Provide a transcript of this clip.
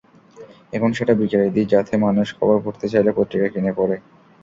এখন সেটা বিকেলে দিই, যাতে মানুষ খবর পড়তে চাইলে পত্রিকা কিনে পড়ে।